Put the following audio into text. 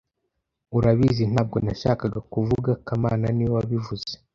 Urabizi ntabwo nashakaga kuvuga kamana niwe wabivuze